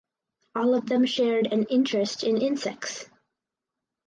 All of them shared an interest in insects.